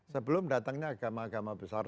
sebelum datangnya agama agama besar